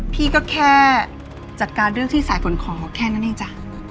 พี่ก็แค่จัดการเรื่องที่สายฝนขอแค่นั้นเองจ้ะ